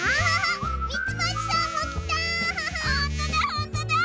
ほんとだ